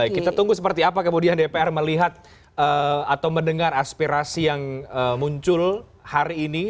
baik kita tunggu seperti apa kemudian dpr melihat atau mendengar aspirasi yang muncul hari ini